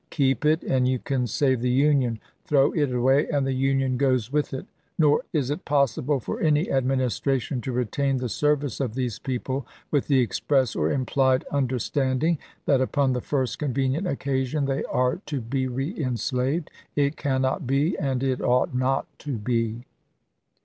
Keep it, and you can save the Union. Throw it away, and the Union goes with it. Nor is it possible for smy administration to retain the goherme£ service of these people with the express or implied un g110^ derstanding that upon the first convenient occasion they 1864. ' ms. are to be reenslaved. It can not be, and it ought not to be.